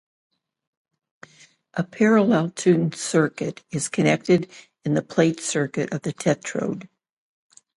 A parallel tuned circuit is connected in the plate circuit of the tetrode.